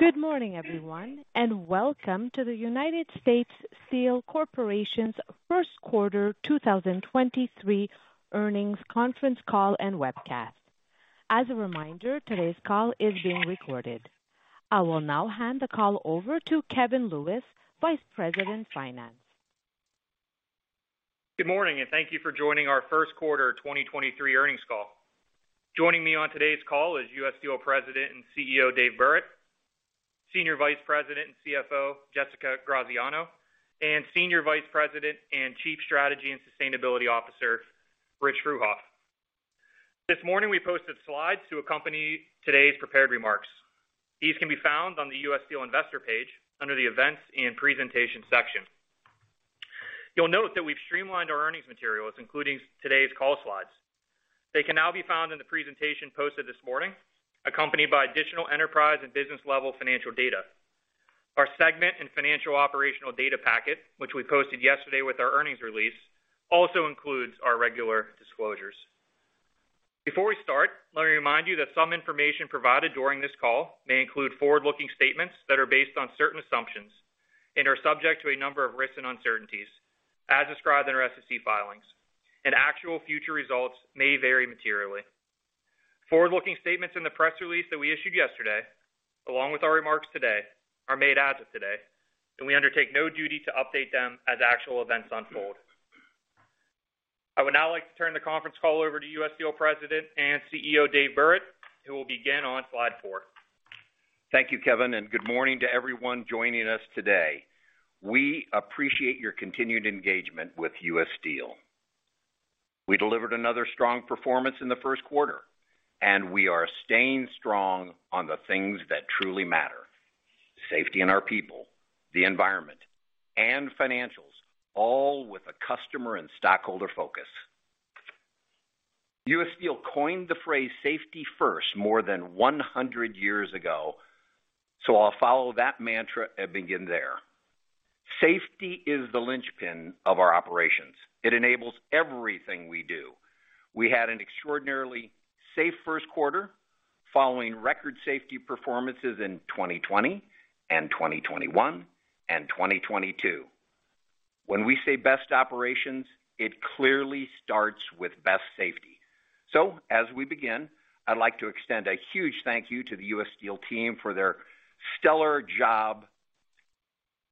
Good morning, everyone, and welcome to the United States Steel Corporation's first quarter 2023 earnings conference call and webcast. As a reminder, today's call is being recorded. I will now hand the call over to Kevin Lewis, Vice President, Finance. Good morning, and thank you for joining our first quarter 2023 earnings call. Joining me on today's call is U.S. Steel President and CEO, Dave Burritt, Senior Vice President and CFO, Jessica Graziano, and Senior Vice President and Chief Strategy and Sustainability Officer, Rich Fruehauf. This morning, we posted slides to accompany today's prepared remarks. These can be found on the U.S. Steel investor page under the Events and Presentation section. You'll note that we've streamlined our earnings materials, including today's call slides. They can now be found in the presentation posted this morning, accompanied by additional enterprise and business-level financial data. Our segment and financial operational data packet, which we posted yesterday with our earnings release, also includes our regular disclosures. Before we start, let me remind you that some information provided during this call may include forward-looking statements that are based on certain assumptions and are subject to a number of risks and uncertainties as described in our SEC filings. Actual future results may vary materially. Forward-looking statements in the press release that we issued yesterday, along with our remarks today, are made as of today, and we undertake no duty to update them as actual events unfold. I would now like to turn the conference call over to U.S. Steel President and CEO, Dave Burritt, who will begin on slide four. Thank you, Kevin. Good morning to everyone joining us today. We appreciate your continued engagement with U.S. Steel. We delivered another strong performance in the first quarter, and we are staying strong on the things that truly matter: safety and our people, the environment, and financials, all with a customer and stockholder focus. U.S. Steel coined the phrase safety first more than 100 years ago, so I'll follow that mantra and begin there. Safety is the linchpin of our operations. It enables everything we do. We had an extraordinarily safe first quarter following record safety performances in 2020 and 2021 and 2022. When we say best operations, it clearly starts with best safety. As we begin, I'd like to extend a huge thank you to the U.S. Steel team for their stellar job,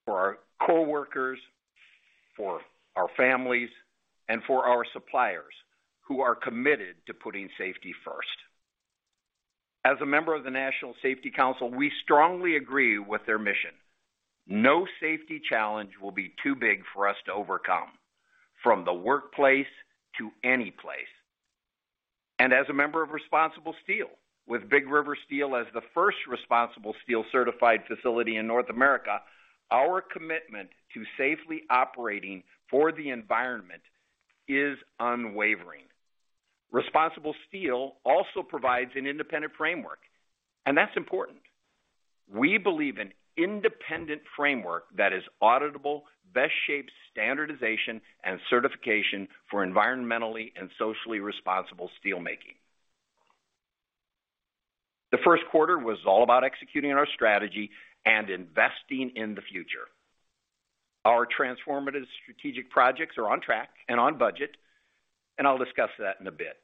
for our coworkers, for our families, and for our suppliers who are committed to putting safety first. As a member of the National Safety Council, we strongly agree with their mission. No safety challenge will be too big for us to overcome, from the workplace to any place. As a member of ResponsibleSteel, with Big River Steel as the first ResponsibleSteel certified facility in North America, our commitment to safely operating for the environment is unwavering. ResponsibleSteel also provides an independent framework, and that's important. We believe an independent framework that is auditable, best shapes standardization and certification for environmentally and socially responsible steel making. The first quarter was all about executing on our strategy and investing in the future. Our transformative strategic projects are on track and on budget, and I'll discuss that in a bit.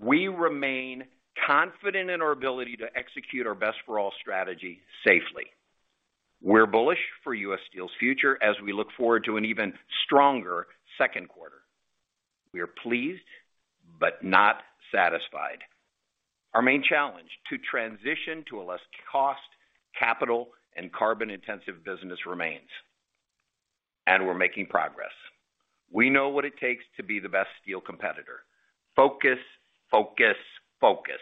We remain confident in our ability to execute our Best for All strategy safely. We're bullish for U.S. Steel's future as we look forward to an even stronger second quarter. We are pleased but not satisfied. Our main challenge to transition to a less cost, capital, and carbon-intensive business remains, and we're making progress. We know what it takes to be the best steel competitor. Focus, focus.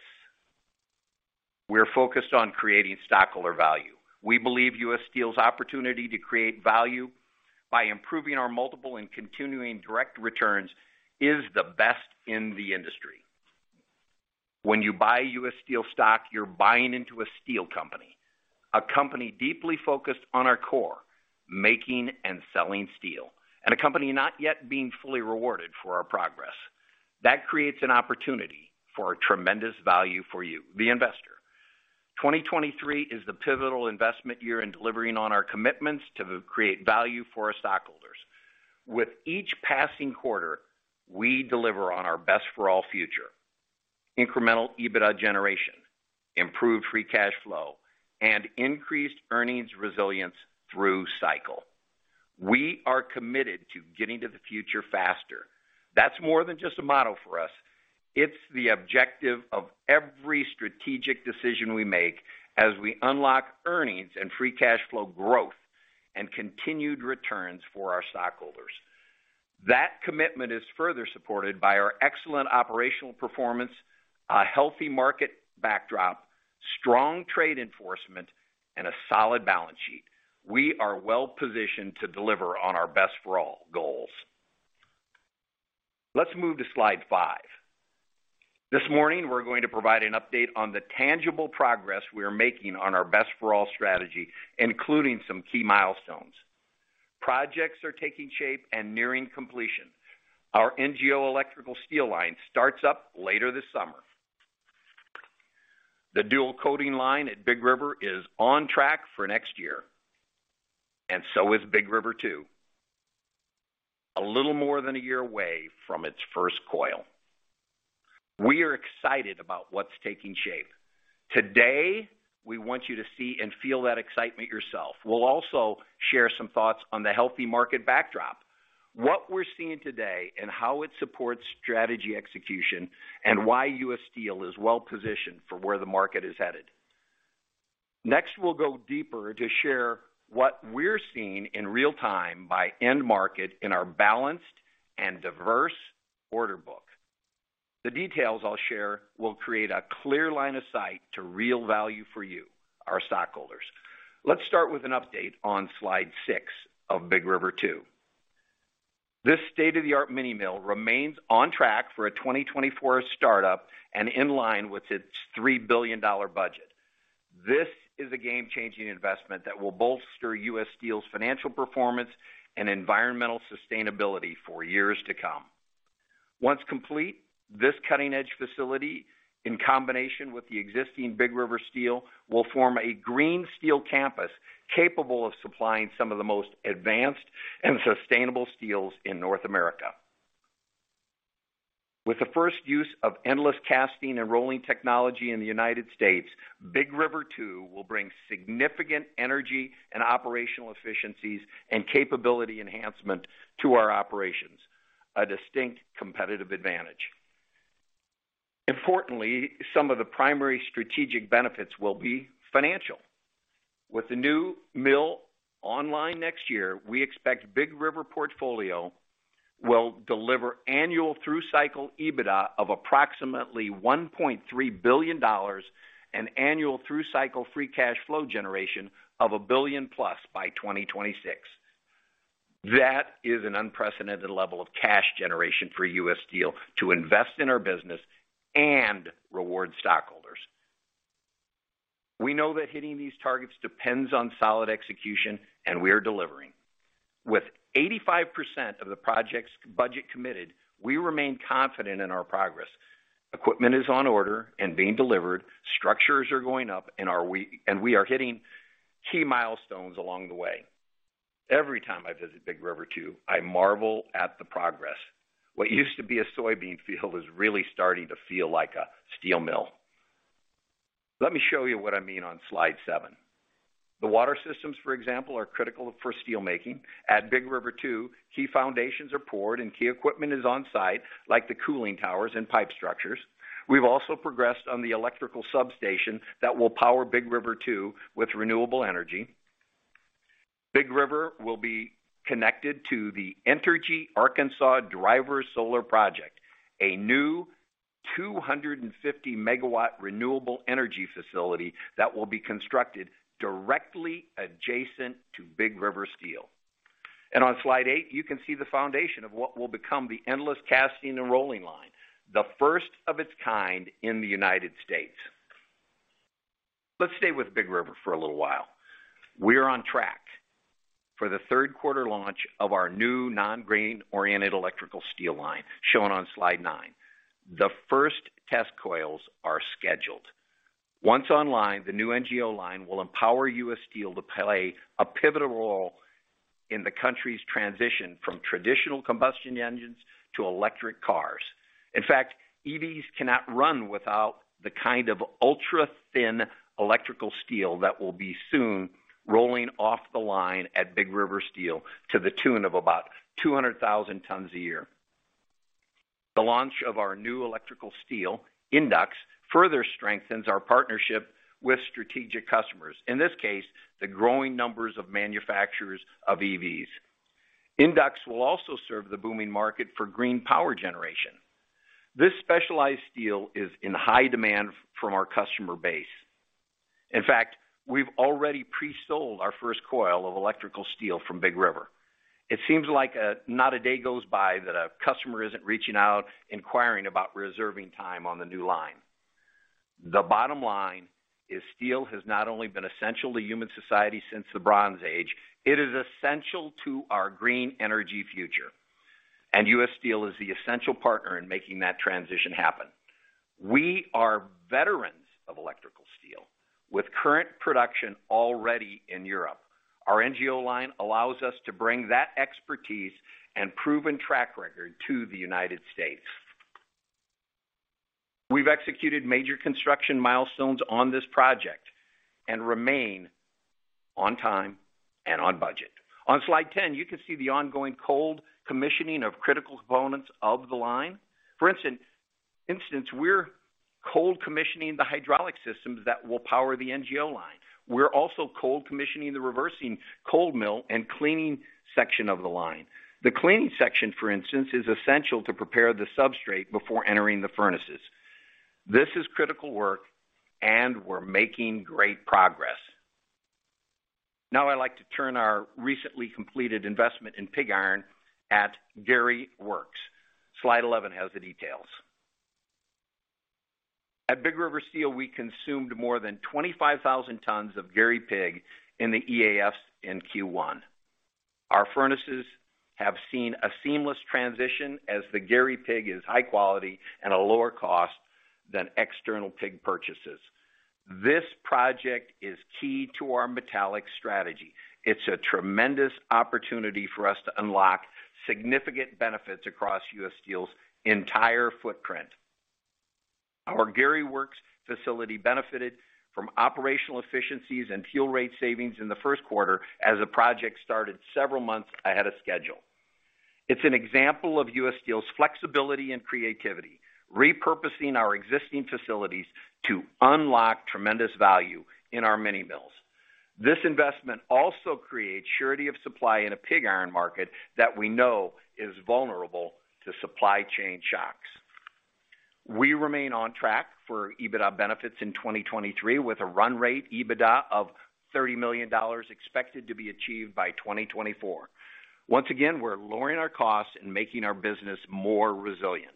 We're focused on creating stockholder value. We believe U.S. Steel's opportunity to create value by improving our multiple and continuing direct returns is the best in the industry. When you buy U.S. Steel stock, you're buying into a steel company, a company deeply focused on our core, making and selling steel, and a company not yet being fully rewarded for our progress. That creates an opportunity for a tremendous value for you, the investor. 2023 is the pivotal investment year in delivering on our commitments to create value for our stockholders. With each passing quarter, we deliver on our Best for All future. Incremental EBITDA generation, improved free cash flow, and increased earnings resilience through cycle. We are committed to getting to the future faster. That's more than just a motto for us. It's the objective of every strategic decision we make as we unlock earnings and free cash flow growth and continued returns for our stockholders. That commitment is further supported by our excellent operational performance, a healthy market backdrop, strong trade enforcement, and a solid balance sheet. We are well-positioned to deliver on our Best for All goals. Let's move to slide five. This morning, we're going to provide an update on the tangible progress we are making on our Best for All strategy, including some key milestones. Projects are taking shape and nearing completion. Our NGO electrical steel line starts up later this summer. The dual coating line at Big River is on track for next year, and so is Big River 2. A little more than a year away from its first coil. We are excited about what's taking shape. Today, we want you to see and feel that excitement yourself. We'll also share some thoughts on the healthy market backdrop, what we're seeing today, and how it supports strategy execution, and why U.S. Steel is well-positioned for where the market is headed. Next, we'll go deeper to share what we're seeing in real time by end market in our balanced and diverse order book. The details I'll share will create a clear line of sight to real value for you, our stockholders. Let's start with an update on slide six of Big River 2. This state-of-the-art mini mill remains on track for a 2024 startup and in line with its $3 billion budget. This is a game-changing investment that will bolster U.S. Steel's financial performance and environmental sustainability for years to come. Once complete, this cutting-edge facility, in combination with the existing Big River Steel, will form a green steel campus capable of supplying some of the most advanced and sustainable steels in North America. With the first use of endless casting and rolling technology in the United States, Big River 2 will bring significant energy and operational efficiencies and capability enhancement to our operations. A distinct competitive advantage. Importantly, some of the primary strategic benefits will be financial. With the new mill online next year, we expect Big River portfolio will deliver annual through cycle EBITDA of approximately $1.3 billion and annual through cycle free cash flow generation of $1 billion+ by 2026. That is an unprecedented level of cash generation for U.S. Steel to invest in our business and reward stockholders. We know that hitting these targets depends on solid execution. We are delivering. With 85% of the project's budget committed, we remain confident in our progress. Equipment is on order and being delivered. Structures are going up. We are hitting key milestones along the way. Every time I visit Big River 2, I marvel at the progress. What used to be a soybean field is really starting to feel like a steel mill. Let me show you what I mean on slide seven. The water systems, for example, are critical for steel making. At Big River 2, key foundations are poured and key equipment is on site, like the cooling towers and pipe structures. We've also progressed on the electrical substation that will power Big River 2 with renewable energy. Big River will be connected to the Entergy Arkansas Driver Solar Project, a new 250 MW renewable energy facility that will be constructed directly adjacent to Big River Steel. On slide eight, you can see the foundation of what will become the endless casting and rolling line, the first of its kind in the United States. Let's stay with Big River for a little while. We are on track for the third quarter launch of our new non-grain-oriented electrical steel line shown on slide nine. The first test coils are scheduled. Once online, the new NGO line will empower U.S. Steel to play a pivotal role in the country's transition from traditional combustion engines to electric cars. In fact, EVs cannot run without the kind of ultra-thin electrical steel that will be soon rolling off the line at Big River Steel to the tune of about 200,000 tons a year. The launch of our new electrical steel NGO further strengthens our partnership with strategic customers. In this case, the growing numbers of manufacturers of EVs. NGO will also serve the booming market for green power generation. This specialized steel is in high demand from our customer base. In fact, we've already pre-sold our first coil of electrical steel from Big River. It seems like not a day goes by that a customer isn't reaching out, inquiring about reserving time on the new line. The bottom line is steel has not only been essential to human society since the Bronze Age, it is essential to our green energy future. US Steel is the essential partner in making that transition happen. We are veterans of electrical steel. With current production already in Europe, our NGO line allows us to bring that expertise and proven track record to the United States. We've executed major construction milestones on this project and remain on time and on budget. On slide 10, you can see the ongoing cold commissioning of critical components of the line. For instance, we're cold commissioning the hydraulic systems that will power the NGO line. We're also cold commissioning the reversing cold mill and cleaning section of the line. The cleaning section, for instance, is essential to prepare the substrate before entering the furnaces. This is critical work, and we're making great progress. Now, I'd like to turn our recently completed investment in pig iron at Gary Works. Slide 11 has the details. At Big River Steel, we consumed more than 25,000 tons of Gary pig in the EAFs in Q1. Our furnaces have seen a seamless transition as the Gary pig is high quality and a lower cost than external pig purchases. This project is key to our metallic strategy. It's a tremendous opportunity for us to unlock significant benefits across U. S. Steel's entire footprint. Our Gary Works facility benefited from operational efficiencies and fuel rate savings in the first quarter as the project started several months ahead of schedule. It's an example of U. S. Steel's flexibility and creativity, repurposing our existing facilities to unlock tremendous value in our mini mills. This investment also creates surety of supply in a pig iron market that we know is vulnerable to supply chain shocks. We remain on track for EBITDA benefits in 2023, with a run rate EBITDA of $30 million expected to be achieved by 2024. Once again, we're lowering our costs and making our business more resilient.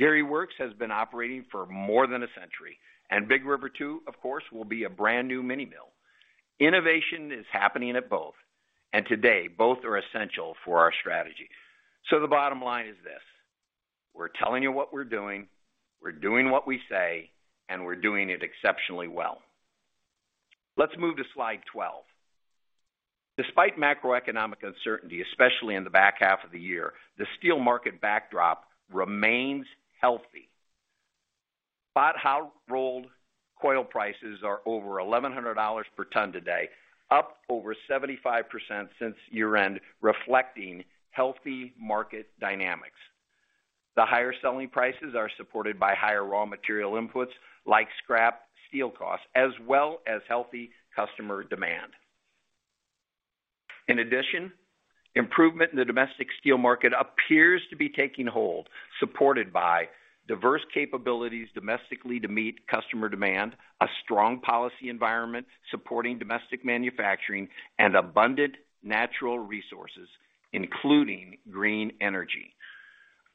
Gary Works has been operating for more than a century, and Big River 2, of course, will be a brand-new mini mill. Innovation is happening at both, and today, both are essential for our strategy. The bottom line is this. We're telling you what we're doing, we're doing what we say, and we're doing it exceptionally well. Let's move to slide 12. Despite macroeconomic uncertainty, especially in the back half of the year, the steel market backdrop remains healthy. Spot hot rolled coil prices are over $1,100 per ton today, up over 75% since year-end, reflecting healthy market dynamics. The higher selling prices are supported by higher raw material inputs, like scrap steel costs, as well as healthy customer demand. In addition, improvement in the domestic steel market appears to be taking hold, supported by diverse capabilities domestically to meet customer demand, a strong policy environment supporting domestic manufacturing and abundant natural resources, including green energy.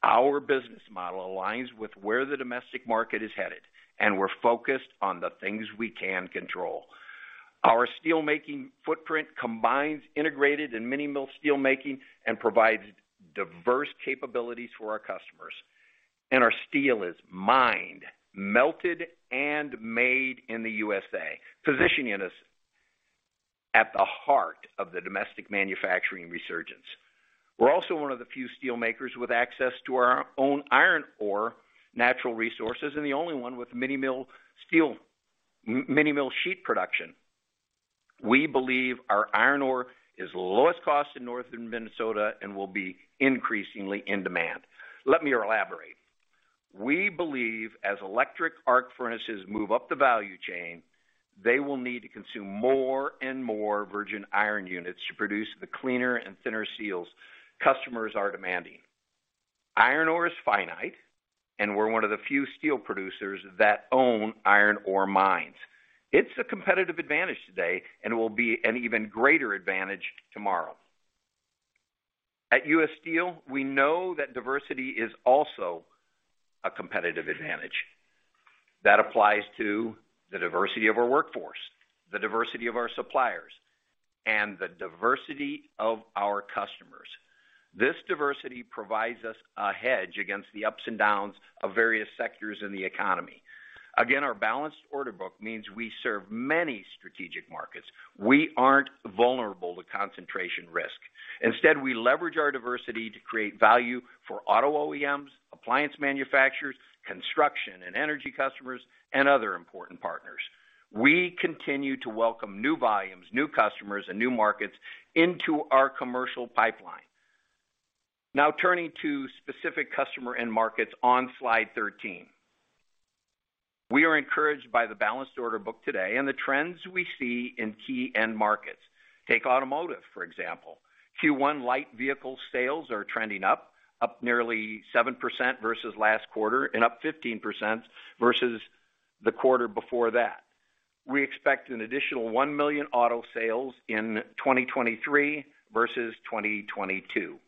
Our business model aligns with where the domestic market is headed, and we're focused on the things we can control. Our steelmaking footprint combines integrated and mini mill steel making and provides diverse capabilities for our customers. Our steel is mined, melted, and made in the USA, positioning us at the heart of the domestic manufacturing resurgence. We're also one of the few steelmakers with access to our own iron ore natural resources and the only one with mini mill sheet production. We believe our iron ore is the lowest cost in Northern Minnesota and will be increasingly in demand. Let me elaborate. We believe as electric arc furnaces move up the value chain, they will need to consume more and more virgin iron units to produce the cleaner and thinner steels customers are demanding. Iron ore is finite, and we're one of the few steel producers that own iron ore mines. It's a competitive advantage today and will be an even greater advantage tomorrow. At U. S. Steel, we know that diversity is also a competitive advantage. That applies to the diversity of our workforce, the diversity of our suppliers, and the diversity of our customers. This diversity provides us a hedge against the ups and downs of various sectors in the economy. Again, our balanced order book means we serve many strategic markets. We aren't vulnerable to concentration risk. Instead, we leverage our diversity to create value for auto OEMs, appliance manufacturers, construction and energy customers, and other important partners. We continue to welcome new volumes, new customers, and new markets into our commercial pipeline. Now turning to specific customer end markets on slide 13. We are encouraged by the balanced order book today and the trends we see in key end markets. Take automotive, for example. Q1 light vehicle sales are trending up nearly 7% versus last quarter and up 15% versus the quarter before that. We expect an additional 1 million auto sales in 2023 versus 2022.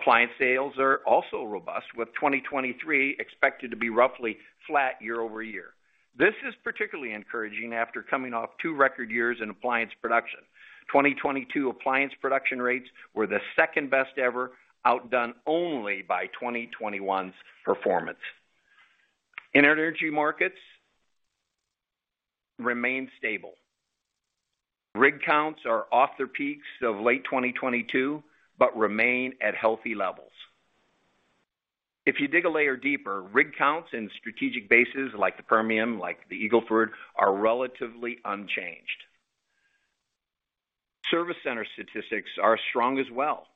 Appliance sales are also robust, with 2023 expected to be roughly flat year-over-year. This is particularly encouraging after coming off two record years in appliance production. 2022 appliance production rates were the second-best ever, outdone only by 2021's performance. Energy markets remain stable. Rig counts are off their peaks of late 2022, but remain at healthy levels. If you dig a layer deeper, rig counts in strategic bases like the Permian, like the Eagle Ford, are relatively unchanged. Service center statistics are strong as well.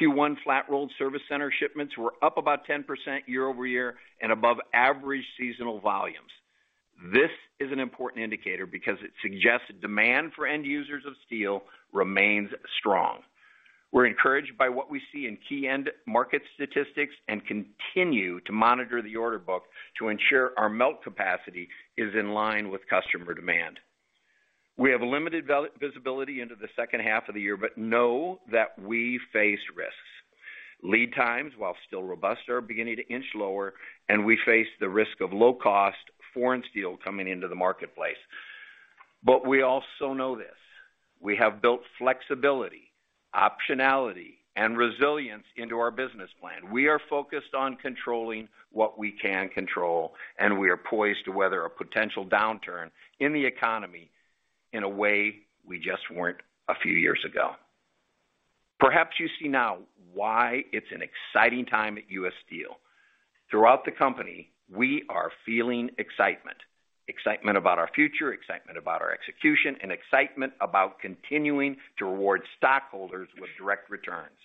Q1 flat-rolled service center shipments were up about 10% year-over-year and above average seasonal volumes. This is an important indicator because it suggests demand for end users of steel remains strong. We're encouraged by what we see in key end market statistics and continue to monitor the order book to ensure our melt capacity is in line with customer demand. We have limited visibility into the second half of the year, but know that we face risks. Lead times, while still robust, are beginning to inch lower, and we face the risk of low-cost foreign steel coming into the marketplace. We also know this. We have built flexibility, optionality, and resilience into our business plan. We are focused on controlling what we can control, and we are poised to weather a potential downturn in the economy in a way we just weren't a few years ago. Perhaps you see now why it's an exciting time at U.S. Steel. Throughout the company, we are feeling excitement. Excitement about our future, excitement about our execution, and excitement about continuing to reward stockholders with direct returns.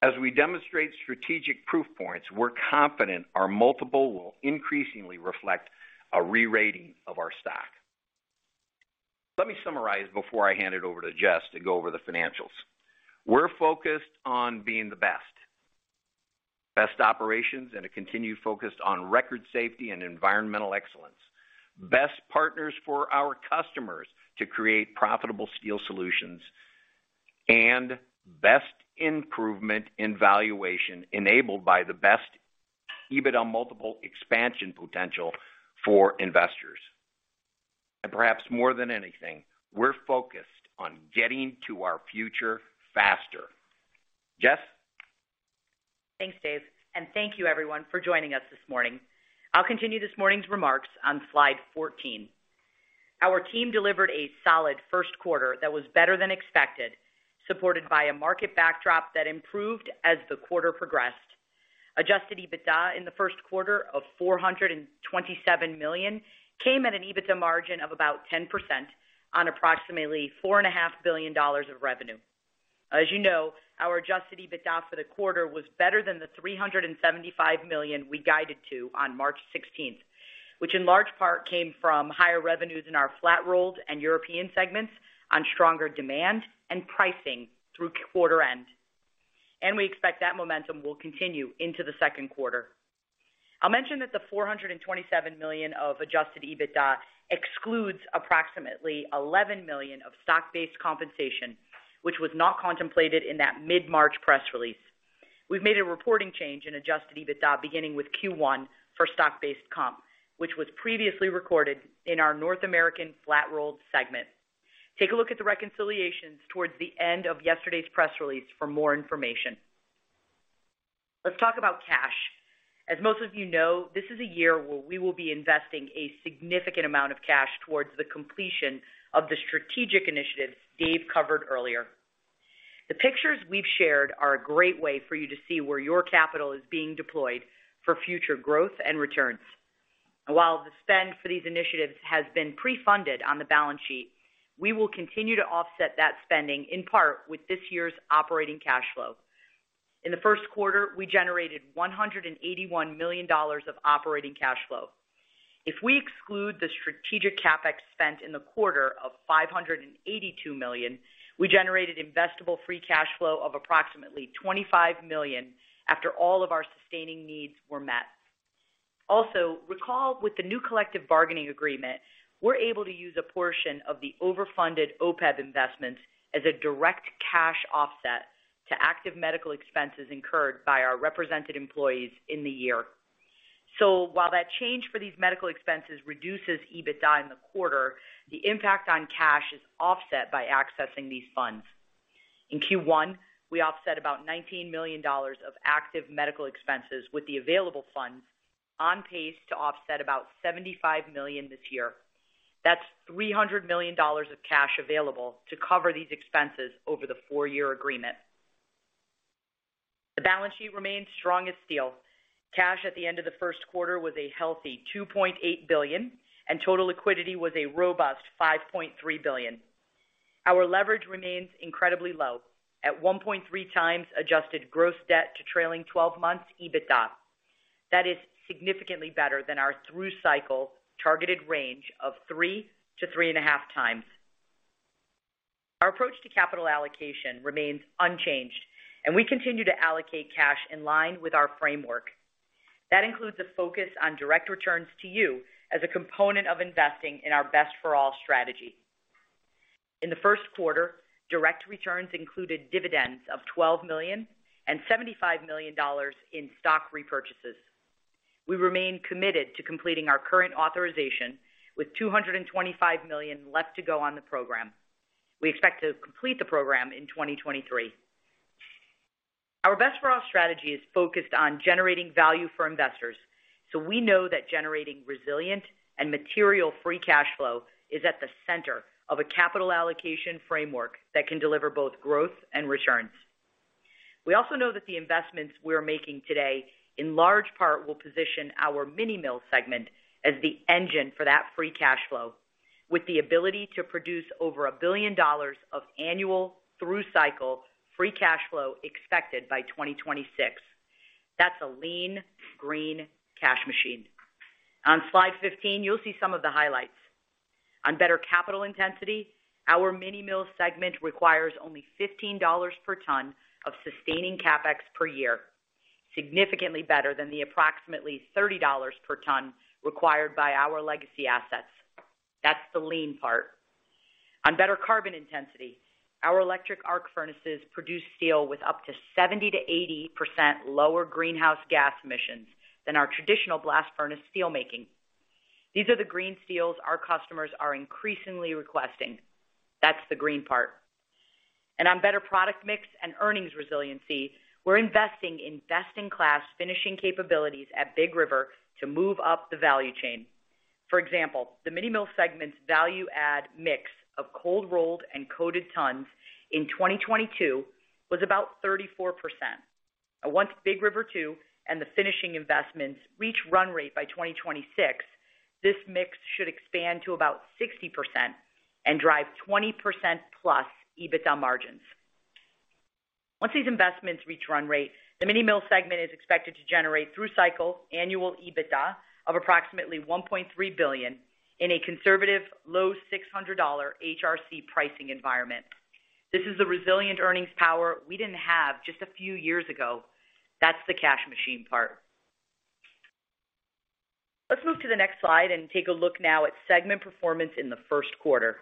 As we demonstrate strategic proof points, we're confident our multiple will increasingly reflect a re-rating of our stock. Let me summarize before I hand it over to Jess to go over the financials. We're focused on being the best. Best operations, a continued focus on record safety and environmental excellence. Best partners for our customers to create profitable steel solutions. Best improvement in valuation enabled by the best EBITDA multiple expansion potential for investors. Perhaps more than anything, we're focused on getting to our future faster. Jess? Thanks, Dave, thank you everyone for joining us this morning. I'll continue this morning's remarks on slide 14. Our team delivered a solid first quarter that was better than expected, supported by a market backdrop that improved as the quarter progressed. Adjusted EBITDA in the first quarter of $427 million came at an EBITDA margin of about 10% on approximately four and a half billion dollars of revenue. As you know, our adjusted EBITDA for the quarter was better than the $375 million we guided to on March 16th, which in large part came from higher revenues in our flat-rolled and European segments on stronger demand and pricing through quarter end. We expect that momentum will continue into the second quarter. I'll mention that the $427 million of adjusted EBITDA excludes approximately $11 million of stock-based compensation, which was not contemplated in that mid-March press release. We've made a reporting change in adjusted EBITDA beginning with Q1 for stock-based comp, which was previously recorded in our North American Flat-Rolled segment. Take a look at the reconciliations towards the end of yesterday's press release for more information. Let's talk about cash. As most of you know, this is a year where we will be investing a significant amount of cash towards the completion of the strategic initiatives Dave covered earlier. The pictures we've shared are a great way for you to see where your capital is being deployed for future growth and returns. While the spend for these initiatives has been pre-funded on the balance sheet, we will continue to offset that spending in part with this year's operating cash flow. In the first quarter, we generated $181 million of operating cash flow. If we exclude the strategic CapEx spent in the quarter of $582 million, we generated investable free cash flow of approximately $25 million after all of our sustaining needs were met. Recall with the new collective bargaining agreement, we're able to use a portion of the overfunded OPEB investments as a direct cash offset to active medical expenses incurred by our represented employees in the year. While that change for these medical expenses reduces EBITDA in the quarter, the impact on cash is offset by accessing these funds. In Q1, we offset about $19 million of active medical expenses with the available funds on pace to offset about $75 million this year. That's $300 million of cash available to cover these expenses over the four-year agreement. The balance sheet remains strong as steel. Cash at the end of the first quarter was a healthy $2.8 billion, and total liquidity was a robust $5.3 billion. Our leverage remains incredibly low at 1.3x adjusted gross debt to trailing 12 months EBITDA. That is significantly better than our through cycle targeted range of 3x-3.5x. Our approach to capital allocation remains unchanged. We continue to allocate cash in line with our framework. That includes a focus on direct returns to you as a component of investing in our Best for All strategy. In the first quarter, direct returns included dividends of $12 million and $75 million in stock repurchases. We remain committed to completing our current authorization with $225 million left to go on the program. We expect to complete the program in 2023. Our Best for All strategy is focused on generating value for investors. We know that generating resilient and material free cash flow is at the center of a capital allocation framework that can deliver both growth and returns. We also know that the investments we're making today in large part will position our mini mill segment as the engine for that free cash flow, with the ability to produce over $1 billion of annual through cycle free cash flow expected by 2026. That's a lean, green cash machine. On slide 15, you'll see some of the highlights. On better capital intensity, our mini mill segment requires only $15 per ton of sustaining CapEx per year. Significantly better than the approximately $30 per ton required by our legacy assets. That's the lean part. On better carbon intensity, our electric arc furnaces produce steel with up to 70%-80% lower greenhouse gas emissions than our traditional blast furnace steelmaking. These are the green steels our customers are increasingly requesting. That's the green part. On better product mix and earnings resiliency, we're investing in best-in-class finishing capabilities at Big River to move up the value chain. For example, the mini mill segment's value-add mix of cold-rolled and coated tons in 2022 was about 34%. Once Big River 2 and the finishing investments reach run rate by 2026, this mix should expand to about 60% and drive 20%+ EBITDA margins. Once these investments reach run rate, the mini mill segment is expected to generate, through cycle, annual EBITDA of approximately $1.3 billion in a conservative low $600 HRC pricing environment. This is a resilient earnings power we didn't have just a few years ago. That's the cash machine part. Let's move to the next slide and take a look now at segment performance in the first quarter.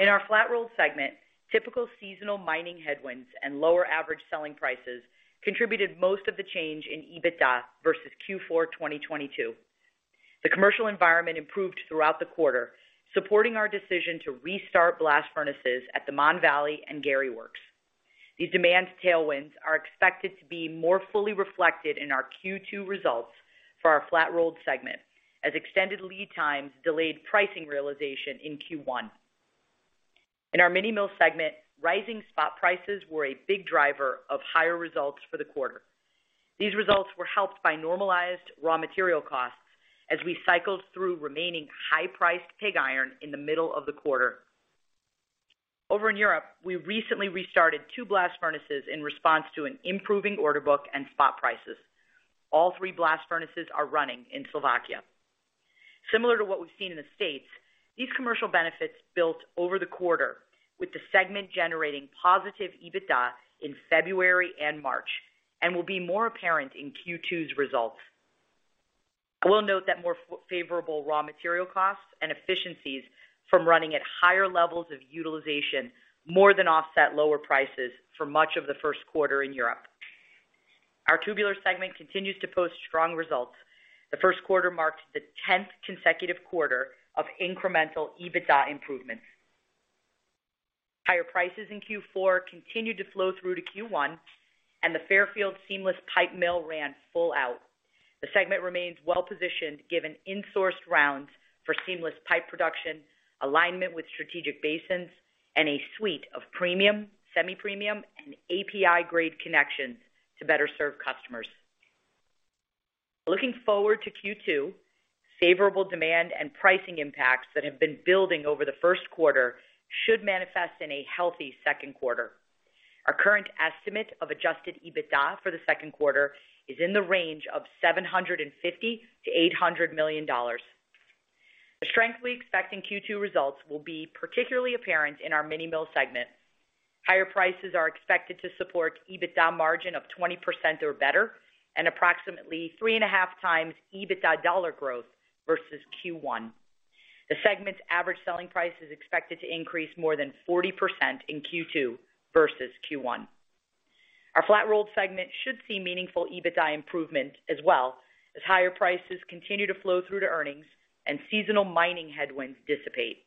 In our flat-rolled segment, typical seasonal mining headwinds and lower average selling prices contributed most of the change in EBITDA versus Q4 2022. The commercial environment improved throughout the quarter, supporting our decision to restart blast furnaces at the Mon Valley and Gary Works. These demand tailwinds are expected to be more fully reflected in our Q2 results for our flat-rolled segment, as extended lead times delayed pricing realization in Q1. In our mini mill segment, rising spot prices were a big driver of higher results for the quarter. These results were helped by normalized raw material costs as we cycled through remaining high-priced pig iron in the middle of the quarter. Over in Europe, we recently restarted two blast furnaces in response to an improving order book and spot prices. All three blast furnaces are running in Slovakia. Similar to what we've seen in the States, these commercial benefits built over the quarter, with the segment generating positive EBITDA in February and March and will be more apparent in Q2's results. I will note that more favorable raw material costs and efficiencies from running at higher levels of utilization more than offset lower prices for much of the first quarter in Europe. Our tubular segment continues to post strong results. The first quarter marked the 10th consecutive quarter of incremental EBITDA improvements. Higher prices in Q4 continued to flow through to Q1, and the Fairfield seamless pipe mill ran full out. The segment remains well-positioned, given insourced rounds for seamless pipe production, alignment with strategic basins, and a suite of premium, semi-premium, and API-grade connections to better serve customers. Looking forward to Q2, favorable demand and pricing impacts that have been building over the first quarter should manifest in a healthy second quarter. Our current estimate of adjusted EBITDA for the second quarter is in the range of $750 million-$800 million. The strength we expect in Q2 results will be particularly apparent in our mini mill segment. Higher prices are expected to support EBITDA margin of 20% or better and approximately 3.5x EBITDA dollar growth versus Q1. The segment's average selling price is expected to increase more than 40% in Q2 versus Q1. Our flat-rolled segment should see meaningful EBITDA improvement as well as higher prices continue to flow through to earnings and seasonal mining headwinds dissipate.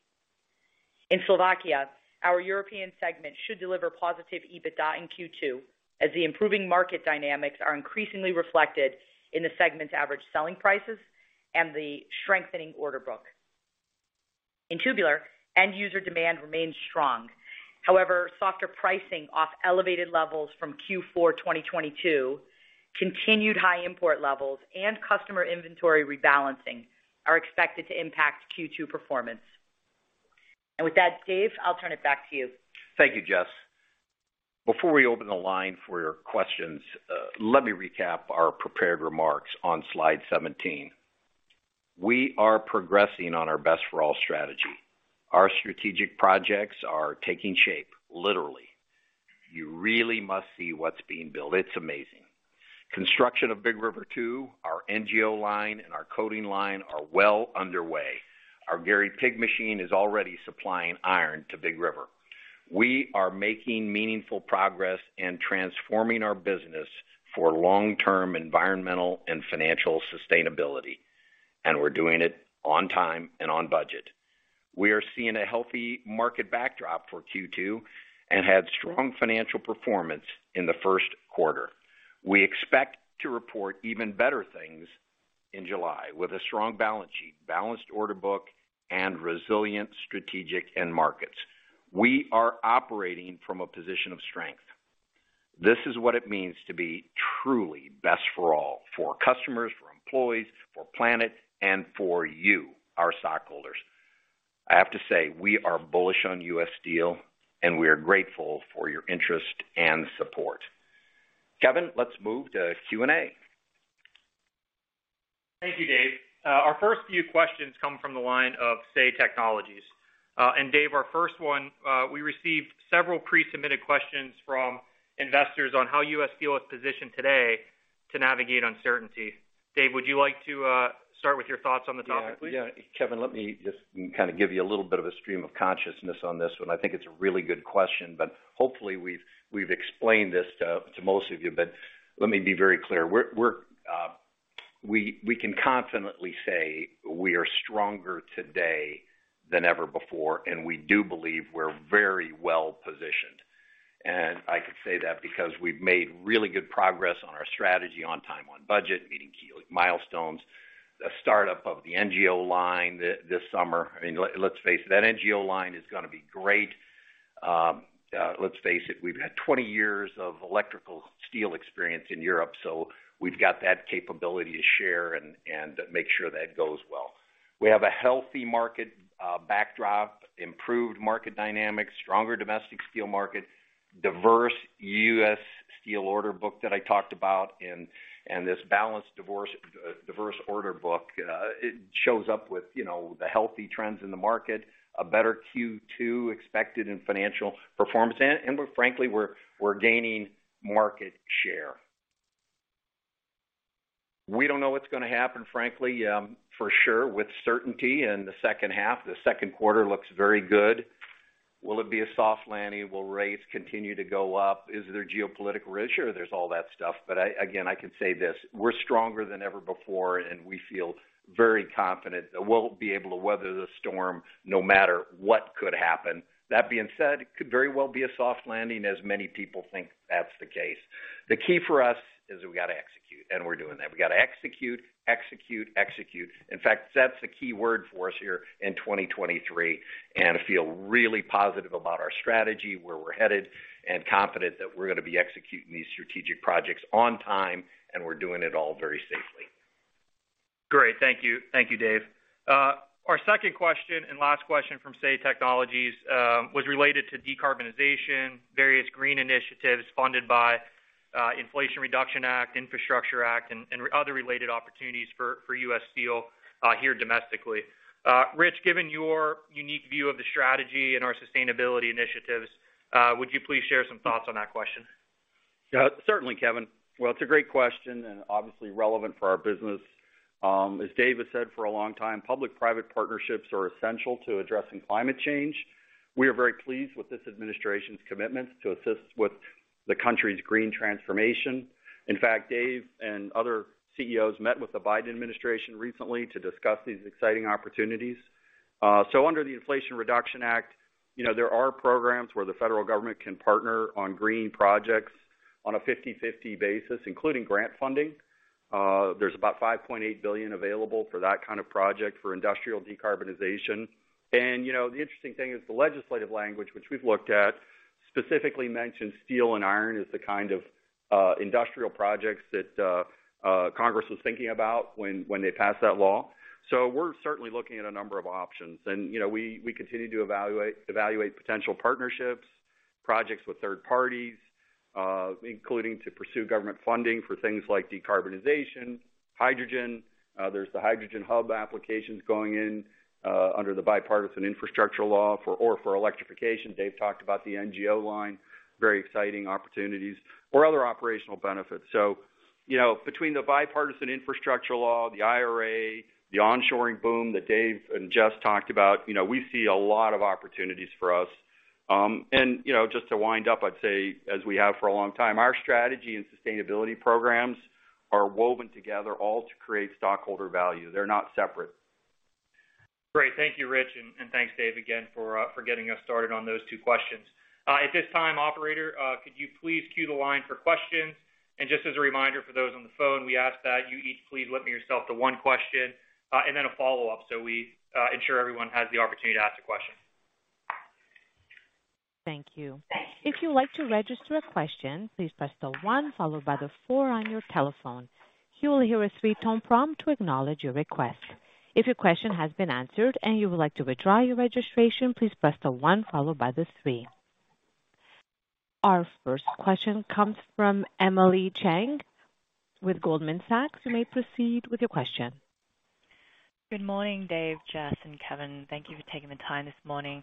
In Slovakia, our European segment should deliver positive EBITDA in Q2 as the improving market dynamics are increasingly reflected in the segment's average selling prices and the strengthening order book. In tubular, end user demand remains strong. However, softer pricing off elevated levels from Q4 2022, continued high import levels, and customer inventory rebalancing are expected to impact Q2 performance. With that, Dave, I'll turn it back to you. Thank you, Jess. Before we open the line for your questions, let me recap our prepared remarks on slide 17. We are progressing on our Best for All strategy. Our strategic projects are taking shape, literally. You really must see what's being built. It's amazing. Construction of Big River 2, our NGO line, and our coating line are well underway. Our Gary pig machine is already supplying iron to Big River. We are making meaningful progress in transforming our business for long-term environmental and financial sustainability, and we're doing it on time and on budget. We are seeing a healthy market backdrop for Q2 and had strong financial performance in the first quarter. We expect to report even better things in July with a strong balance sheet, balanced order book, and resilient strategic end markets. We are operating from a position of strength. This is what it means to be truly Best for All, for customers, for employees, for planet, and for you, our stockholders. I have to say, we are bullish on U.S. Steel, and we are grateful for your interest and support. Kevin, let's move to Q&A. Thank you, Dave. Our first few questions come from the line of Say Technologies. Dave, our first one, we received several pre-submitted questions from investors on how U.S. Steel is positioned today to navigate uncertainty. Dave, would you like to start with your thoughts on the topic, please? Yeah. Kevin, let me just kind of give you a little bit of a stream of consciousness on this one. I think it's a really good question, hopefully we've explained this to most of you. Let me be very clear. We can confidently say we are stronger today than ever before, and we do believe we're very well-positioned. I can say that because we've made really good progress on our strategy on time, on budget, meeting key milestones. The startup of the NGO line this summer. I mean, let's face it, that NGO line is gonna be great. let's face it, we've had 20 years of electrical steel experience in Europe, so we've got that capability to share and make sure that goes well. We have a healthy market backdrop, improved market dynamics, stronger domestic steel market, diverse U.S. Steel order book that I talked about and this balanced diverse order book. It shows up with, you know, the healthy trends in the market, a better Q2 expected in financial performance. Frankly, we're gaining market share. We don't know what's gonna happen, frankly, for sure with certainty in the second half. The second quarter looks very good. Will it be a soft landing? Will rates continue to go up? Is there geopolitical risk? Sure, there's all that stuff. Again, I can say this, we're stronger than ever before, and we feel very confident that we'll be able to weather the storm no matter what could happen. That being said, it could very well be a soft landing, as many people think that's the case. The key for us is we gotta execute, and we're doing that. We gotta execute, execute. In fact, that's the key word for us here in 2023, and feel really positive about our strategy, where we're headed, and confident that we're gonna be executing these strategic projects on time, and we're doing it all very safely. Great. Thank you. Thank you, Dave. Our second question and last question from Say Technologies was related to decarbonization, various green initiatives funded by Inflation Reduction Act, Infrastructure Act, and other related opportunities for U.S. Steel here domestically. Rich, given your unique view of the strategy and our sustainability initiatives, would you please share some thoughts on that question? Yeah. Certainly, Kevin. Well, it's a great question and obviously relevant for our business. As Dave has said for a long time, public-private partnerships are essential to addressing climate change. We are very pleased with this administration's commitments to assist with the country's green transformation. In fact, Dave and other CEOs met with the Biden administration recently to discuss these exciting opportunities. Under the Inflation Reduction Act, you know, there are programs where the federal government can partner on green projects on a 50/50 basis, including grant funding. There's about $5.8 billion available for that kind of project for industrial decarbonization. You know, the interesting thing is the legislative language, which we've looked at, specifically mentioned steel and iron as the kind of industrial projects that Congress was thinking about when they passed that law. We're certainly looking at a number of options. You know, we continue to evaluate potential partnerships, projects with third parties, including to pursue government funding for things like decarbonization, hydrogen. There's the hydrogen hub applications going in under the Bipartisan Infrastructure Law for electrification. Dave talked about the NGO line, very exciting opportunities or other operational benefits. You know, between the Bipartisan Infrastructure Law, the IRA, the onshoring boom that Dave and Jess talked about, you know, we see a lot of opportunities for us. You know, just to wind up, I'd say, as we have for a long time, our strategy and sustainability programs are woven together all to create stockholder value. They're not separate. Great. Thank you, Rich. And thanks, Dave, again for getting us started on those two questions. At this time, operator, could you please queue the line for questions? Just as a reminder for those on the phone, we ask that you each please limit yourself to one question, and then a follow-up so we ensure everyone has the opportunity to ask a question. Thank you. If you'd like to register a question, please press the one followed by the four on your telephone. You will hear a three-tone prompt to acknowledge your request. If your question has been answered and you would like to withdraw your registration, please press the one followed by the three. Our first question comes from Emily Chieng with Goldman Sachs. You may proceed with your question. Good morning, Dave, Jess, and Kevin. Thank you for taking the time this morning.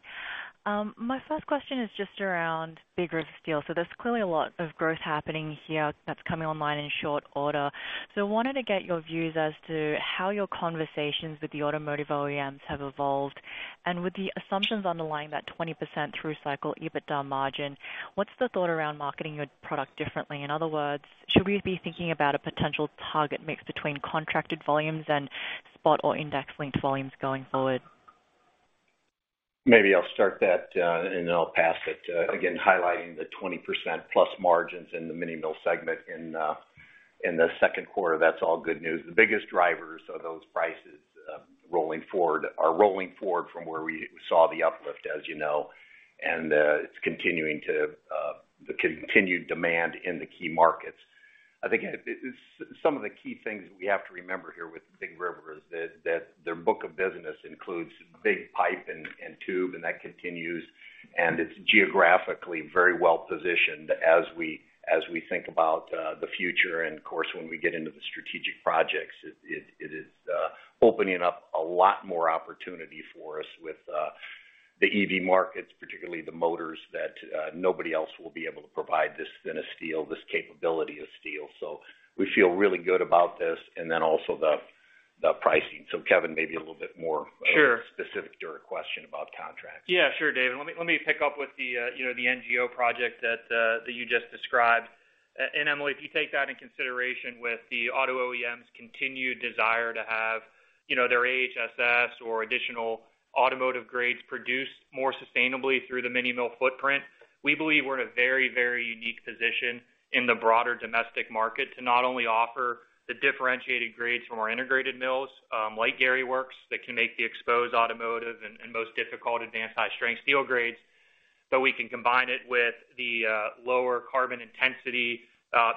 My first question is just around Big River Steel. There's clearly a lot of growth happening here that's coming online in short order. Wanted to get your views as to how your conversations with the automotive OEMs have evolved. With the assumptions underlying that 20% through cycle EBITDA margin, what's the thought around marketing your product differently? In other words, should we be thinking about a potential target mix between contracted volumes and spot or index-linked volumes going forward? Maybe I'll start that, and then I'll pass it. Again, highlighting the 20%+ margins in the mini mill segment in the second quarter. That's all good news. The biggest drivers of those prices, rolling forward are rolling forward from where we saw the uplift, as you know, and it's continuing to the continued demand in the key markets. I think some of the key things we have to remember here with Big River Steel. Their book of business includes line pipe and tube, and that continues, and it's geographically very well-positioned as we think about the future and, of course, when we get into the strategic projects. It is opening up a lot more opportunity for us with the EV markets, particularly the motors that nobody else will be able to provide this thin a steel, this capability of steel. We feel really good about this, and then also the pricing. Kevin, maybe a little bit more- Sure. specific to your question about contracts. Yeah, sure, David. Let me pick up with the, you know, the NGO project that you just described. Emily, if you take that in consideration with the auto OEMs continued desire to have, you know, their AHSS or additional automotive grades produced more sustainably through the mini mill footprint, we believe we're in a very, very unique position in the broader domestic market to not only offer the differentiated grades from our integrated mills, like Gary Works, that can make the exposed automotive and most difficult advanced high-strength steel grades. We can combine it with the lower carbon intensity,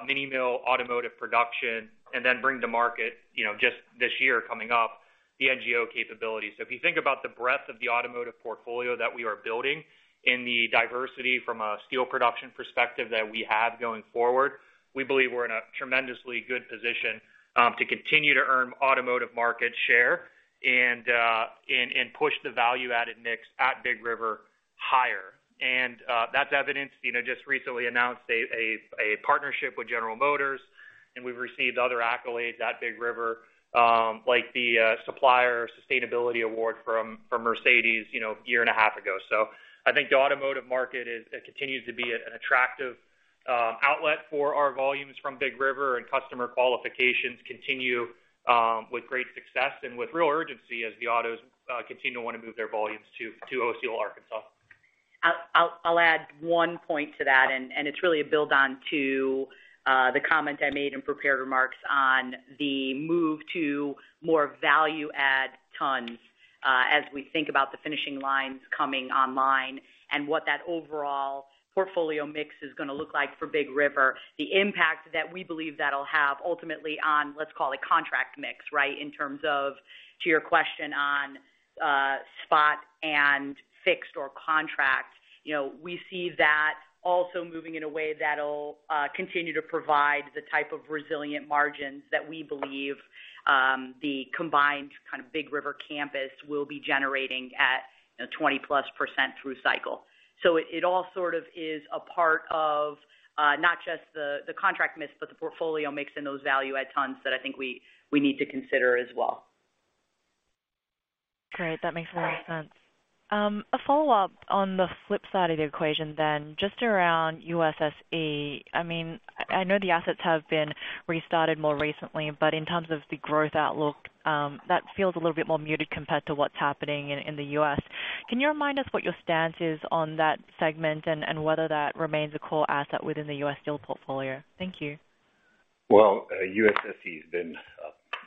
mini mill automotive production, and then bring to market, you know, just this year coming up, the NGO capability. If you think about the breadth of the automotive portfolio that we are building and the diversity from a steel production perspective that we have going forward, we believe we're in a tremendously good position to continue to earn automotive market share and push the value-added mix at Big River higher. That's evidenced, you know, just recently announced a partnership with General Motors, and we've received other accolades at Big River, like the Supplier Sustainability Award from Mercedes, you know, a year and a half ago. I think the automotive market it continues to be an attractive outlet for our volumes from Big River, and customer qualifications continue with great success and with real urgency as the autos continue to wanna move their volumes to U.S. Steel Arkansas. I'll add one point to that, and it's really a build on to the comment I made in prepared remarks on the move to more value add tons as we think about the finishing lines coming online and what that overall portfolio mix is gonna look like for Big River. The impact that we believe that'll have ultimately on, let's call it contract mix, right, in terms of to your question on spot and fixed or contract. You know, we see that also moving in a way that'll continue to provide the type of resilient margins that we believe the combined kind of Big River campus will be generating at, you know, 20%+ through cycle. it all sort of is a part of not just the contract mix, but the portfolio mix and those value add tons that I think we need to consider as well. Great. That makes a lot of sense. A follow-up on the flip side of the equation then, just around USSE. I mean, I know the assets have been restarted more recently, but in terms of the growth outlook, that feels a little bit more muted compared to what's happening in the U.S. Can you remind us what your stance is on that segment and whether that remains a core asset within the U.S. Steel portfolio? Thank you. Well, USSE has been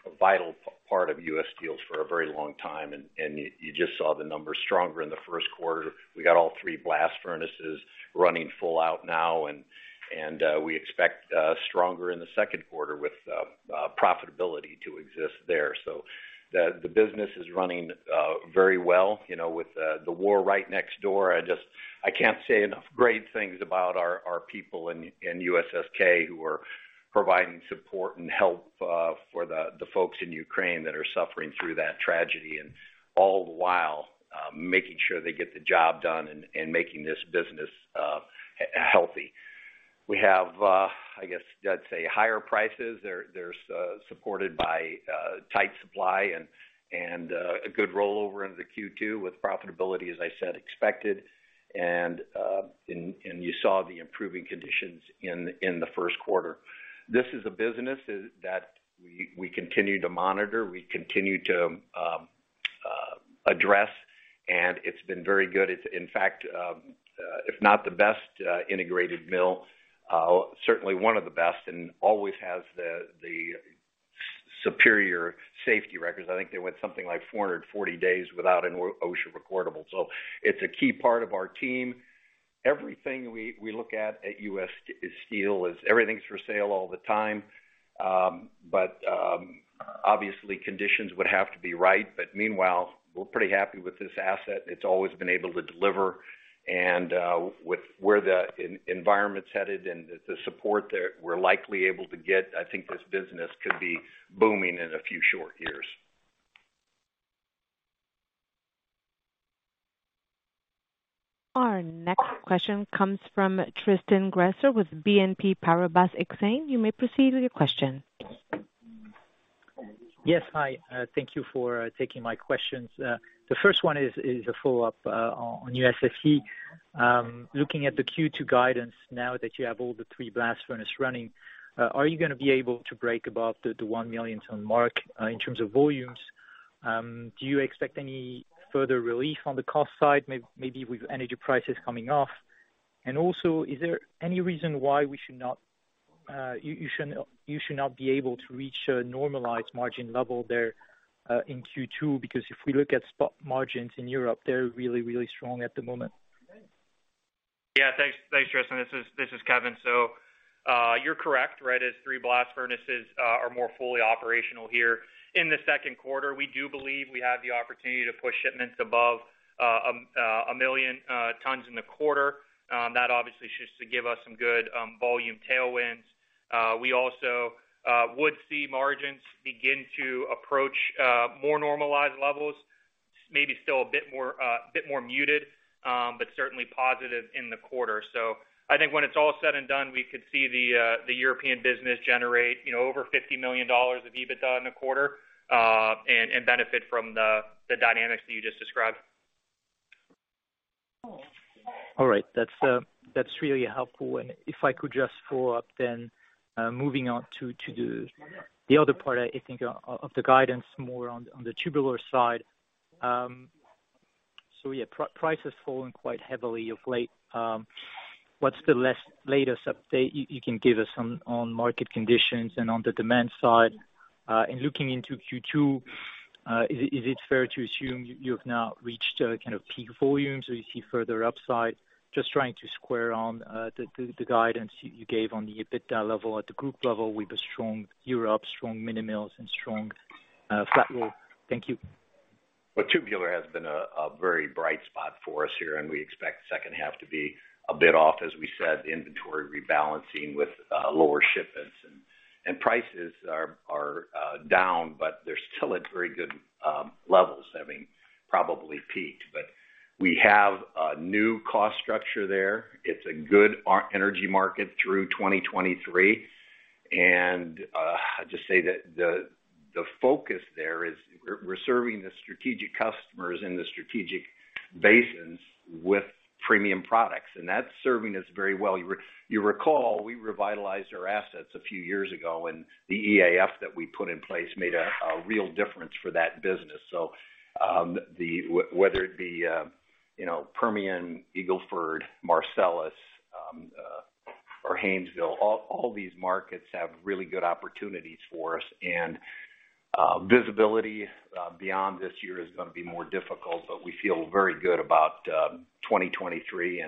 a vital part of U.S. Steel for a very long time, and you just saw the numbers stronger in the first quarter. We got all three blast furnaces running full out now, and we expect stronger in the second quarter with profitability to exist there. The business is running very well. You know, with the war right next door, I can't say enough great things about our people in USSK who are providing support and help for the folks in Ukraine that are suffering through that tragedy, and all the while making sure they get the job done and making this business healthy. We have, I guess I'd say higher prices. They're supported by tight supply and a good rollover into Q2 with profitability, as I said, expected. You saw the improving conditions in the first quarter. This is a business that we continue to monitor, we continue to address, and it's been very good. It's in fact, if not the best integrated mill, certainly one of the best and always has the superior safety records. I think they went something like 440 days without an OSHA recordable. It's a key part of our team. Everything we look at at U.S. Steel is everything's for sale all the time. Obviously conditions would have to be right. Meanwhile, we're pretty happy with this asset. It's always been able to deliver and, with where the environment's headed and the support that we're likely able to get, I think this business could be booming in a few short years. Our next question comes from Tristan Gresser with BNP Paribas Exane. You may proceed with your question. Yes. Hi. Thank you for taking my questions. The first one is a follow-up on USSE. Looking at the Q2 guidance, now that you have all the three blast furnace running, are you gonna be able to break above the 1 million ton mark in terms of volumes? Do you expect any further relief on the cost side, maybe with energy prices coming off? Is there any reason why we should not, you should not be able to reach a normalized margin level there in Q2? If we look at spot margins in Europe, they're really strong at the moment. Yeah. Thanks. Thanks, Tristan. This is Kevin. You're correct, right, as three blast furnaces are more fully operational here in the second quarter. We do believe we have the opportunity to push shipments above 1 million tons in the quarter. That obviously should give us some good volume tailwinds. We also would see margins begin to approach more normalized levels, maybe still a bit more muted, but certainly positive in the quarter. I think when it's all said and done, we could see the European business generate, you know, over $50 million of EBITDA in the quarter and benefit from the dynamics that you just described. All right. That's really helpful. If I could just follow up then, moving on to the other part, I think, of the guidance more on the tubular side. Yeah, price has fallen quite heavily of late. What's the latest update you can give us on market conditions and on the demand side? Looking into Q2, is it fair to assume you've now reached a kind of peak volume, so you see further upside? Just trying to square on the guidance you gave on the EBITDA level at the group level with a strong Europe, strong minimills, and strong flat roll. Thank you. Tubular has been a very bright spot for us here, and we expect the second half to be a bit off, as we said, inventory rebalancing with lower shipments. Prices are down, but they're still at very good levels, having probably peaked. We have a new cost structure there. It's a good energy market through 2023. I'd just say that the focus there is we're serving the strategic customers in the strategic basins with premium products, and that's serving us very well. You recall, we revitalized our assets a few years ago, and the EAF that we put in place made a real difference for that business. Whether it be, you know, Permian, Eagle Ford, Marcellus, or Haynesville, all these markets have really good opportunities for us. Visibility beyond this year is gonna be more difficult, but we feel very good about 2023.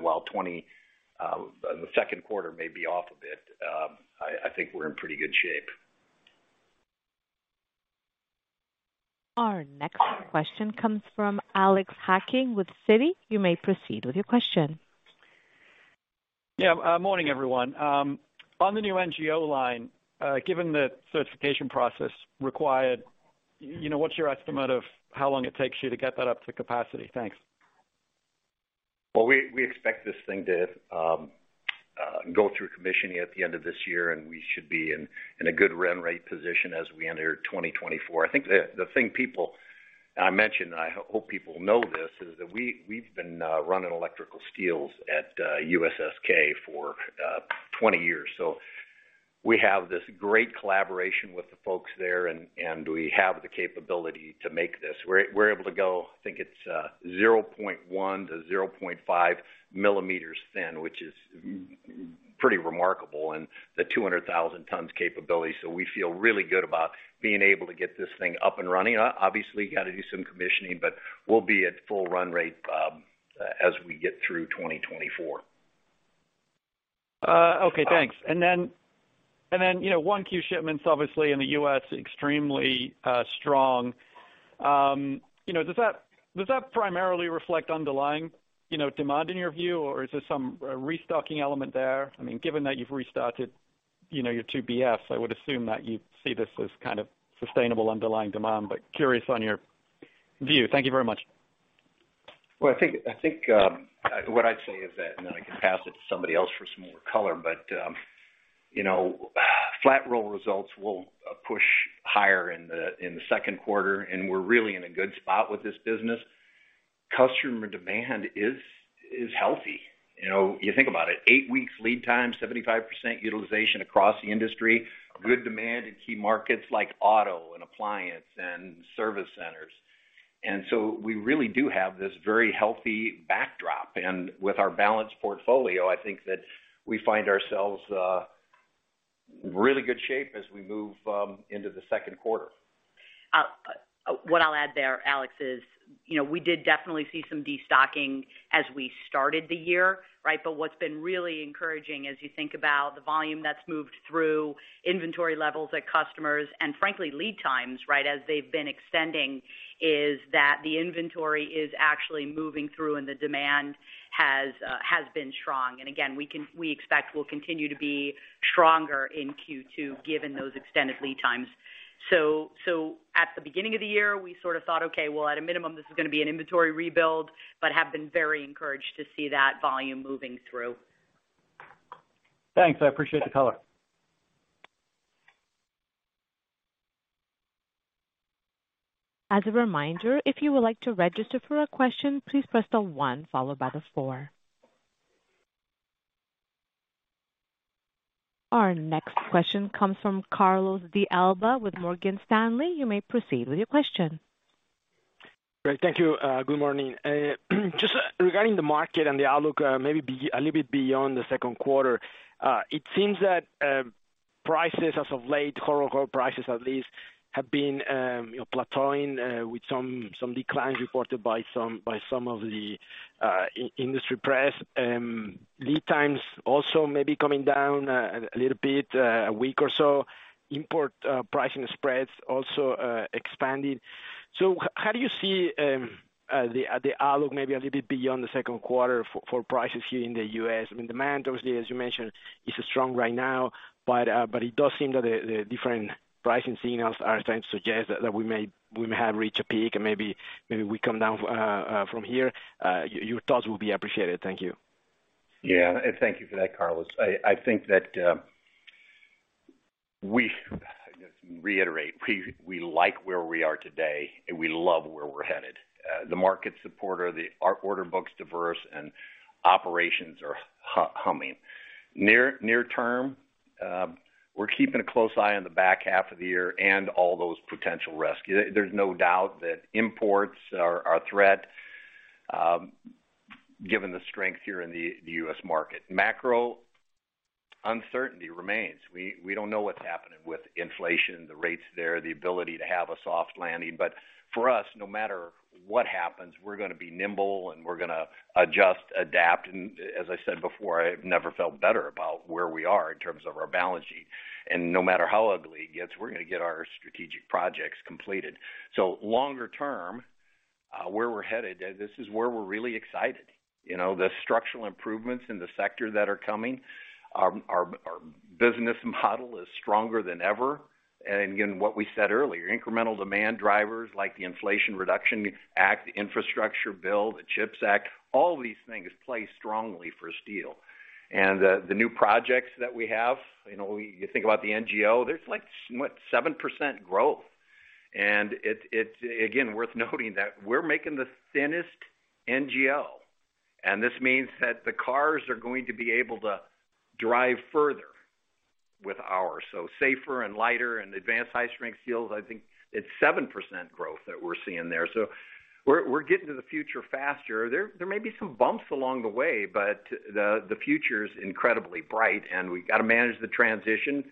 While 2020, the second quarter may be off a bit, I think we're in pretty good shape. Our next question comes from Alex Hacking with Citi. You may proceed with your question. Yeah. Morning, everyone. On the new NGO line, given the certification process required, you know, what's your estimate of how long it takes you to get that up to capacity? Thanks. We expect this thing to go through commissioning at the end of this year, and we should be in a good run rate position as we enter 2024. I think the thing people. I mentioned, I hope people know this, is that we've been running electrical steels at USSK for 20 years. We have this great collaboration with the folks there, and we have the capability to make this. We're able to go, I think it's 0.1 millimeters to 0.5 millimeters thin, which is pretty remarkable, and the 200,000 tons capability. We feel really good about being able to get this thing up and running. Obviously, got to do some commissioning, but we'll be at full run rate as we get through 2024. Okay, thanks. You know, 1Q shipments, obviously in the U.S., extremely strong. You know, does that primarily reflect underlying, you know, demand in your view, or is there some restocking element there? I mean, given that you've restarted, you know, your two BF, I would assume that you see this as kind of sustainable underlying demand. Curious on your view. Thank you very much. I think what I'd say is that, and then I can pass it to somebody else for some more color. you know, flat roll results will push higher in the second quarter, and we're really in a good spot with this business. Customer demand is healthy. You know, you think about it, eight weeks lead time, 75% utilization across the industry, good demand in key markets like auto and appliance and service centers. We really do have this very healthy backdrop. With our balanced portfolio, I think that we find ourselves in really good shape as we move into the second quarter. What I'll add there, Alex, is, you know, we did definitely see some destocking as we started the year, right? What's been really encouraging as you think about the volume that's moved through inventory levels at customers and frankly, lead times, right, as they've been extending, is that the inventory is actually moving through and the demand has been strong. Again, we expect will continue to be stronger in Q2 given those extended lead times. At the beginning of the year, we sort of thought, "Okay, well, at a minimum, this is gonna be an inventory rebuild," but have been very encouraged to see that volume moving through. Thanks. I appreciate the color. As a reminder, if you would like to register for a question, please press the one followed by the four. Our next question comes from Carlos de Alba with Morgan Stanley. You may proceed with your question. Great. Thank you. Good morning. Just regarding the market and the outlook, maybe be a little bit beyond the second quarter. It seems that, prices as of late, hot-rolled coil prices at least, have been plateauing with some declines reported by some of the industry press. Lead times also may be coming down a little bit, a week or so. Import pricing spreads also expanding. How do you see the outlook maybe a little bit beyond the second quarter for prices here in the U.S.? I mean, demand obviously, as you mentioned, is strong right now. It does seem that the different pricing signals are trying to suggest that we may have reached a peak and maybe we come down from here. Your thoughts will be appreciated. Thank you. Yeah. Thank you for that, Carlos. I think that we reiterate, we like where we are today, and we love where we're headed. The markets support our order book's diverse and operations are humming. Near term, we're keeping a close eye on the back half of the year and all those potential risks. There's no doubt that imports are a threat, given the strength here in the U.S. market. Macro uncertainty remains. We don't know what's happening with inflation, the rates there, the ability to have a soft landing. For us, no matter what happens, we're gonna be nimble and we're gonna adjust, adapt. As I said before, I've never felt better about where we are in terms of our balance sheet. No matter how ugly it gets, we're gonna get our strategic projects completed. Longer term, where we're headed, this is where we're really excited. You know, the structural improvements in the sector that are coming, our business model is stronger than ever. Again, what we said earlier, incremental demand drivers like the Inflation Reduction Act, the Infrastructure Bill, the CHIPS Act, all these things play strongly for steel. The new projects that we have, you know, you think about the NGO, there's like 7% growth. It's again, worth noting that we're making the thinnest NGO. This means that the cars are going to be able to drive further with ours. Safer and lighter and advanced high-strength steels. I think it's 7% growth that we're seeing there. We're getting to the future faster. There may be some bumps along the way, but the future is incredibly bright, and we got to manage the transition.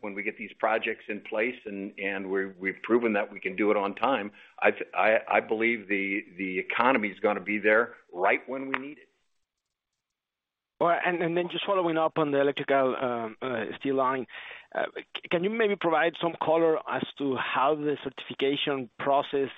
When we get these projects in place and we've proven that we can do it on time, I believe the economy is gonna be there right when we need it. Well, then just following up on the electrical steel line. Can you maybe provide some color as to how the certification process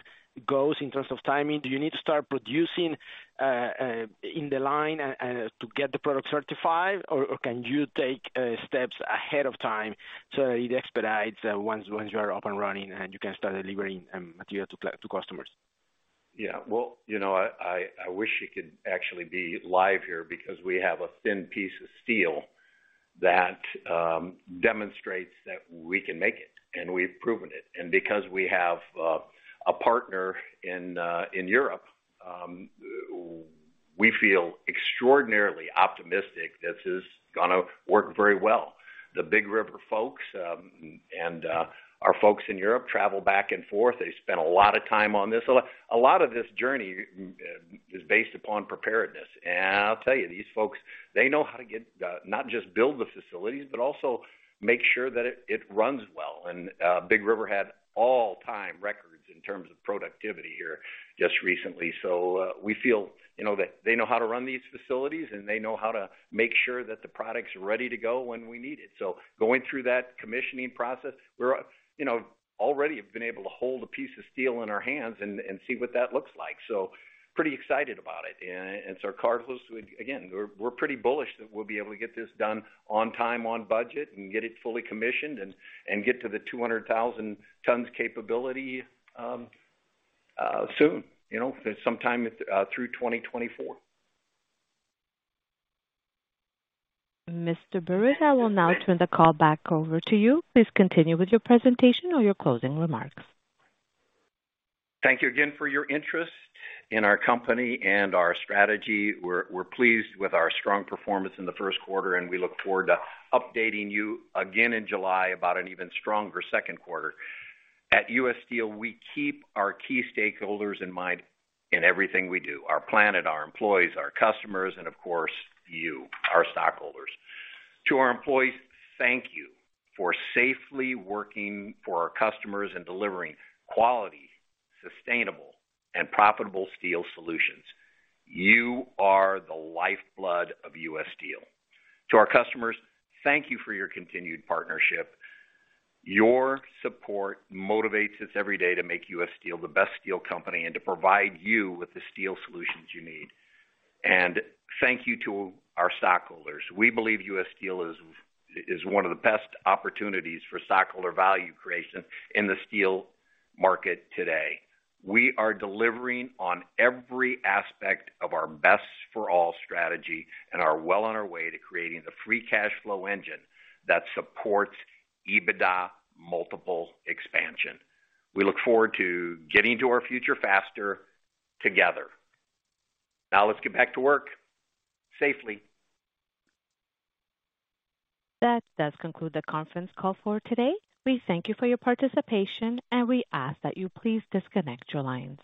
goes in terms of timing? Do you need to start producing in the line to get the product certified? Or can you take steps ahead of time so it expedites once you are up and running and you can start delivering material to customers? Yeah. Well, you know, I wish you could actually be live here because we have a thin piece of steel that demonstrates that we can make it, and we've proven it. Because we have a partner in Europe, we feel extraordinarily optimistic this is gonna work very well. The Big River folks, and our folks in Europe travel back and forth. They spent a lot of time on this. A lot of this journey is based upon preparedness. I'll tell you, these folks, they know how to get. Not just build the facilities, but also make sure that it runs well. Big River had all-time records in terms of productivity here just recently. We feel, you know, that they know how to run these facilities and they know how to make sure that the product's ready to go when we need it. Going through that commissioning process, we're, you know, already have been able to hold a piece of steel in our hands and see what that looks like. Pretty excited about it. Carlos, again, we're pretty bullish that we'll be able to get this done on time, on budget and get it fully commissioned and get to the 200,000 tons capability soon, you know, sometime through 2024. Mr. Burritt, I will now turn the call back over to you. Please continue with your presentation or your closing remarks. Thank you again for your interest in our company and our strategy. We're pleased with our strong performance in the first quarter, and we look forward to updating you again in July about an even stronger second quarter. At U.S. Steel, we keep our key stakeholders in mind in everything we do, our planet, our employees, our customers, and of course, you, our stockholders. To our employees, thank you for safely working for our customers and delivering quality, sustainable, and profitable steel solutions. You are the lifeblood of U.S. Steel. To our customers, thank you for your continued partnership. Your support motivates us every day to make U.S. Steel the best steel company and to provide you with the steel solutions you need. Thank you to our stockholders. We believe U.S. Steel is one of the best opportunities for stockholder value creation in the steel market today. We are delivering on every aspect of our Best for All strategy and are well on our way to creating the free cash flow engine that supports EBITDA multiple expansion. We look forward to getting to our future faster together. Let's get back to work safely. That does conclude the conference call for today. We thank you for your participation, and we ask that you please disconnect your lines.